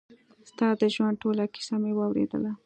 ستا د ژوند ټوله کيسه مې واورېدله.